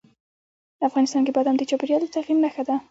افغانستان کې بادام د چاپېریال د تغیر نښه ده.